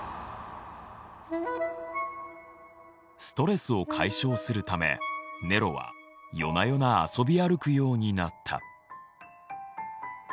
ストレスを解消するためネロは夜な夜な遊び歩くようになった。